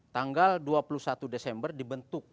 tanggal dua puluh satu desember dibentuk